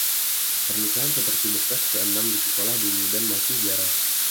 Pernikahan seperti bekas keenam di sekolah dulu dan masih jarang.